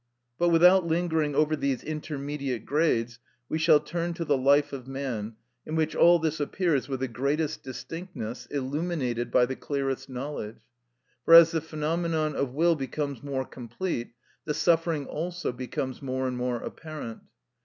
But without lingering over these intermediate grades, we shall turn to the life of man, in which all this appears with the greatest distinctness, illuminated by the clearest knowledge; for as the phenomenon of will becomes more complete, the suffering also becomes more and more apparent.